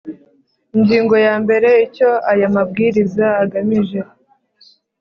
Ingingo ya mbere Icyo aya mabwiriza agamije